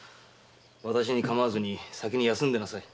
私に構わずに先に休んでなさい。